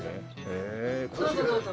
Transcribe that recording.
どうぞどうぞ。